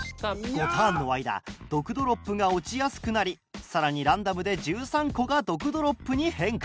５ターンの間毒ドロップが落ちやすくなり更にランダムで１３個が毒ドロップに変化。